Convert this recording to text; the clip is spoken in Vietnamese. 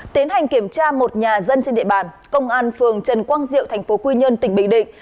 tiến hành kiểm tra một nhà dân trên địa bàn công an phường trần quang diệu thành phố quy nhơn tỉnh bình định